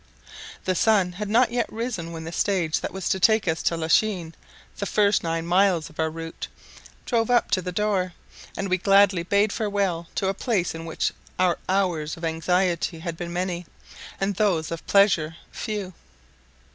The sun had not yet risen when the stage that was to take us to Lachine, the first nine miles of our route, drove up to the door, and we gladly bade farewell to a place in which our hours of anxiety had been many, and those of pleasure few.